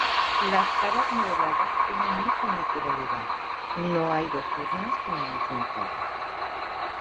Las caras modeladas tienen mucha naturalidad, no hay dos urnas con la misma cara.